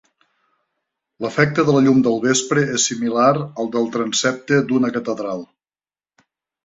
L'efecte de la llum del vespre és similar al del transsepte d'una catedral.